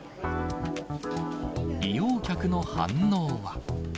利用客の反応は。